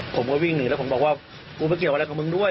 ผมก็วิ่งหนีแล้วผมบอกว่ากูไม่เกี่ยวอะไรกับมึงด้วย